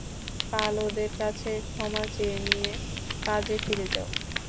কাল ওদের কাছে ক্ষমা চেয়ে নিয়ে কাজে ফিরে যাও।